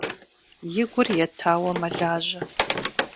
И гур етауэ мэлажьэ.